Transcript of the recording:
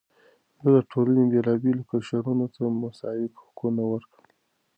ده د ټولنې بېلابېلو قشرونو ته مساوي حقونه ورکړل.